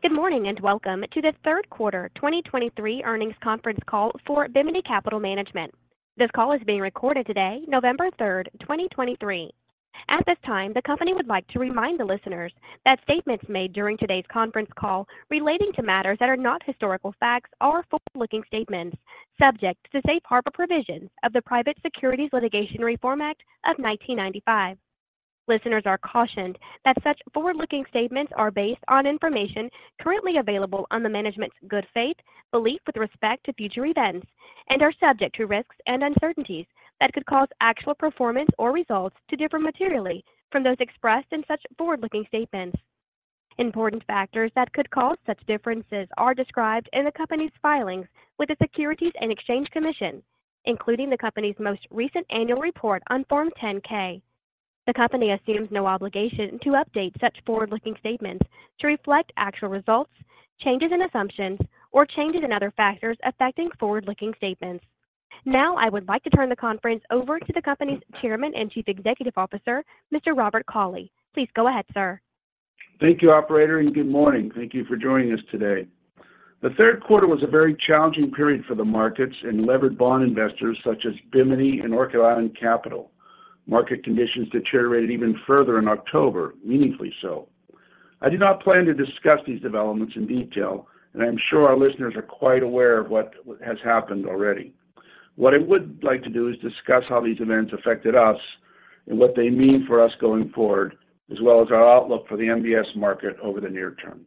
Good morning, and welcome to the third quarter 2023 earnings conference call for Bimini Capital Management. This call is being recorded today, November 3rd, 2023. At this time, the company would like to remind the listeners that statements made during today's conference call relating to matters that are not historical facts are forward-looking statements subject to safe harbor provisions of the Private Securities Litigation Reform Act of 1995. Listeners are cautioned that such forward-looking statements are based on information currently available on the management's good faith, belief with respect to future events, and are subject to risks and uncertainties that could cause actual performance or results to differ materially from those expressed in such forward-looking statements. Important factors that could cause such differences are described in the company's filings with the Securities and Exchange Commission, including the company's most recent annual report on Form 10-K. The company assumes no obligation to update such forward-looking statements to reflect actual results, changes in assumptions, or changes in other factors affecting forward-looking statements. Now, I would like to turn the conference over to the company's chairman and Chief Executive Officer, Mr. Robert Cauley. Please go ahead, sir. Thank you, operator, and good morning. Thank you for joining us today. The third quarter was a very challenging period for the markets and levered bond investors such as Bimini and Orchid Island Capital. Market conditions deteriorated even further in October, meaningfully so. I do not plan to discuss these developments in detail, and I'm sure our listeners are quite aware of what has happened already. What I would like to do is discuss how these events affected us and what they mean for us going forward, as well as our outlook for the MBS market over the near term.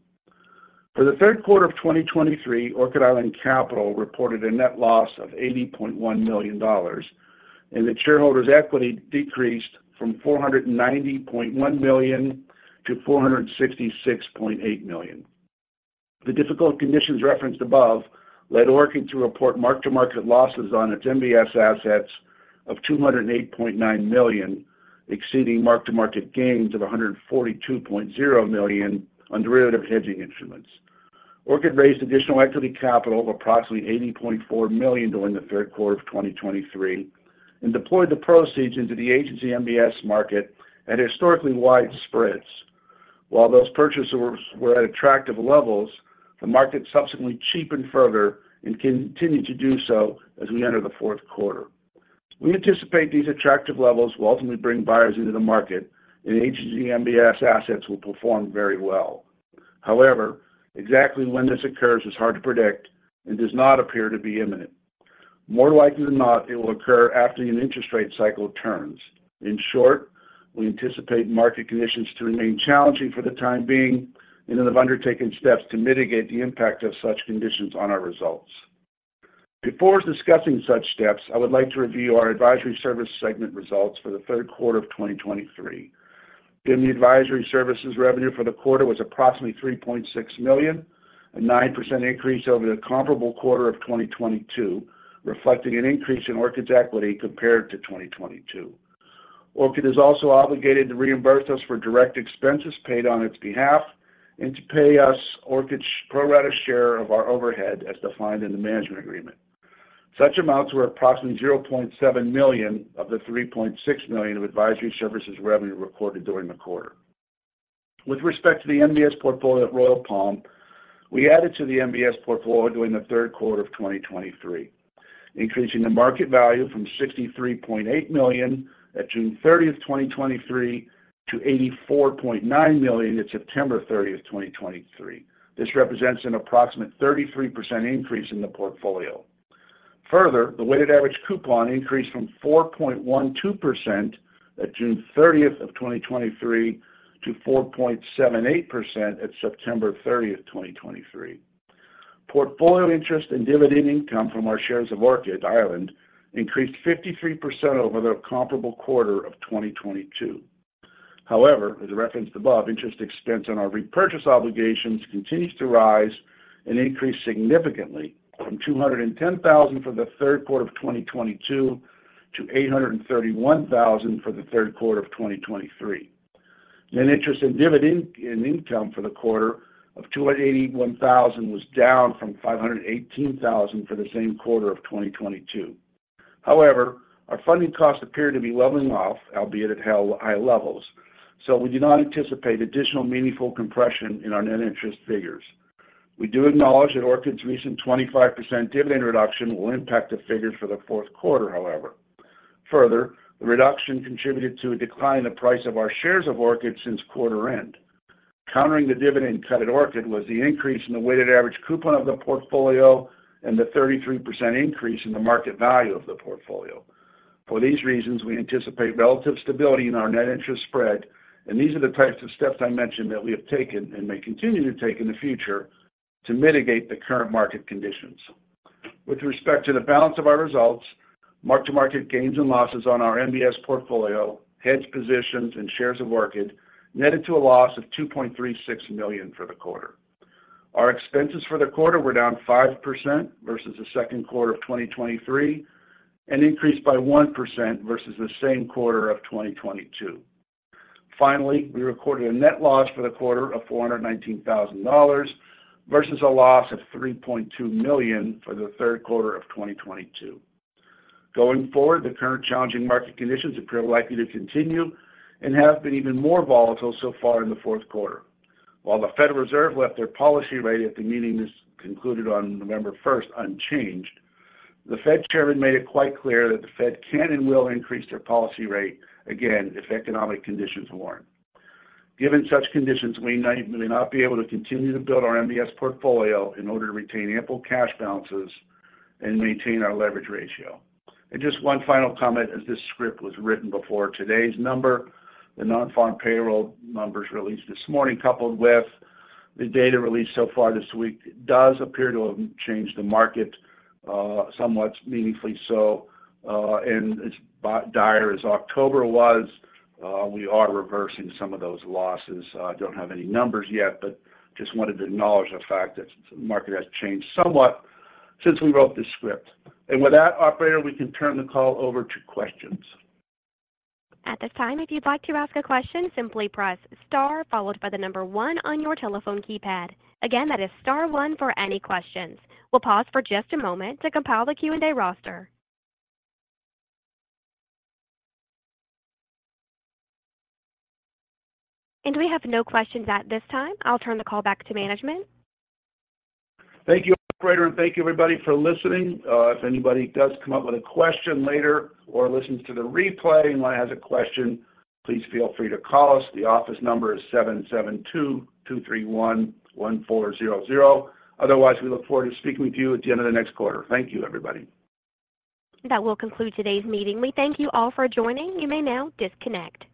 For the third quarter of 2023, Orchid Island Capital reported a net loss of $80.1 million, and the shareholders' equity decreased from $490.1 million to $466.8 million. The difficult conditions referenced above led Orchid to report mark-to-market losses on its MBS assets of $208.9 million, exceeding mark-to-market gains of $142.0 million on derivative hedging instruments. Orchid raised additional equity capital of approximately $80.4 million during the third quarter of 2023 and deployed the proceeds into the agency MBS market at historically wide spreads. While those purchases were at attractive levels, the market subsequently cheapened further and continued to do so as we enter the fourth quarter. We anticipate these attractive levels will ultimately bring buyers into the market, and agency MBS assets will perform very well. However, exactly when this occurs is hard to predict and does not appear to be imminent. More likely than not, it will occur after an interest rate cycle turns. In short, we anticipate market conditions to remain challenging for the time being and have undertaken steps to mitigate the impact of such conditions on our results. Before discussing such steps, I would like to review our advisory services segment results for the third quarter of 2023. Bimini Advisory Services revenue for the quarter was approximately $3.6 million, a 9% increase over the comparable quarter of 2022, reflecting an increase in Orchid's equity compared to 2022. Orchid is also obligated to reimburse us for direct expenses paid on its behalf and to pay us Orchid's pro rata share of our overhead, as defined in the management agreement. Such amounts were approximately $0.7 million of the $3.6 million of advisory services revenue recorded during the quarter. With respect to the MBS portfolio at Royal Palm, we added to the MBS portfolio during the third quarter of 2023, increasing the market value from $63.8 million at June 30, 2023, to $84.9 million at September 30, 2023. This represents an approximate 33% increase in the portfolio. Further, the weighted average coupon increased from 4.12% at June 30th of 2023 to 4.78% at September 30, 2023. Portfolio interest and dividend income from our shares of Orchid Island increased 53% over the comparable quarter of 2022. However, as referenced above, interest expense on our repurchase obligations continues to rise and increased significantly from $210,000 for the third quarter of 2022 to $831,000 for the third quarter of 2023. Net interest and dividend income for the quarter of $281,000 was down from $518,000 for the same quarter of 2022. However, our funding costs appear to be leveling off, albeit at high levels, so we do not anticipate additional meaningful compression in our net interest figures. We do acknowledge that Orchid's recent 25% dividend reduction will impact the figures for the fourth quarter, however. Further, the reduction contributed to a decline in the price of our shares of Orchid since quarter end. Countering the dividend cut at Orchid was the increase in the weighted average coupon of the portfolio and the 33% increase in the market value of the portfolio. For these reasons, we anticipate relative stability in our net interest spread, and these are the types of steps I mentioned that we have taken and may continue to take in the future to mitigate the current market conditions. With respect to the balance of our results, mark-to-market gains and losses on our MBS portfolio, hedge positions, and shares of Orchid netted to a loss of $2.36 million for the quarter. Our expenses for the quarter were down 5% versus the second quarter of 2023 and increased by 1% versus the same quarter of 2022. Finally, we recorded a net loss for the quarter of $419,000 versus a loss of $3.2 million for the third quarter of 2022. Going forward, the current challenging market conditions appear likely to continue and have been even more volatile so far in the fourth quarter. While the Federal Reserve left their policy rate at the meeting that's concluded on November 1st unchanged, the Fed chairman made it quite clear that the Fed can and will increase their policy rate again if economic conditions warrant. Given such conditions, we may not be able to continue to build our MBS portfolio in order to retain ample cash balances and maintain our leverage ratio. Just one final comment, as this script was written before today's number, the non-farm payroll numbers released this morning, coupled with the data released so far this week, does appear to have changed the market somewhat meaningfully so. As dire as October was, we are reversing some of those losses. I don't have any numbers yet, but just wanted to acknowledge the fact that the market has changed somewhat since we wrote this script. With that, operator, we can turn the call over to questions. At this time, if you'd like to ask a question, simply press star followed by the number one on your telephone keypad. Again, that is star one for any questions. We'll pause for just a moment to compile the Q&A roster. We have no questions at this time. I'll turn the call back to management. Thank you, operator, and thank you, everybody, for listening. If anybody does come up with a question later or listens to the replay and has a question, please feel free to call us. The office number is 772-231-1400. Otherwise, we look forward to speaking with you at the end of the next quarter. Thank you, everybody. That will conclude today's meeting. We thank you all for joining. You may now disconnect.